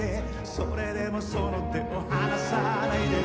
「それでもその手を離さないで」